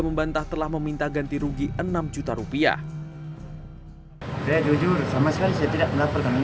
membantah telah meminta ganti rugi enam juta rupiah saya jujur sama sekali saya tidak mendapatkan yang